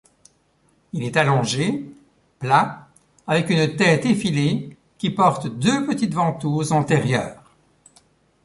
Il est allongé, plat, avec une tête effilée qui porte deux petites ventouses antérieures.